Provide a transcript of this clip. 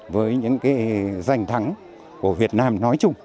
với những cái danh thắng của việt nam nói chung